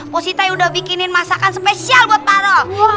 positai udah bikinin masakan spesial buat pak roy